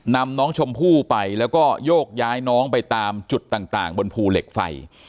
นำน้องชมพู่ไปแล้วก็โยกย้ายน้องไปตามจุดต่างบนภูเหล็กไฟ